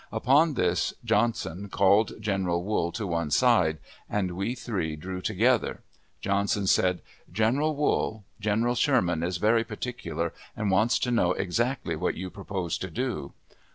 Upon this, Johnson called General Wool to one side, and we three drew together. Johnson said: "General Wool, General Sherman is very particular, and wants to know exactly what you propose to do."